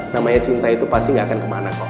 namanya cinta itu pasti gak akan kemana kok